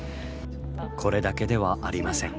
これだけではありません。